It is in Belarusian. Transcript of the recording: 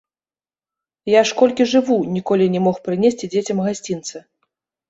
Я ж, колькі жыву, ніколі не мог прынесці дзецям гасцінца.